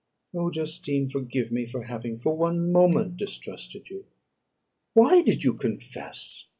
"Oh, Justine! forgive me for having for one moment distrusted you. Why did you confess?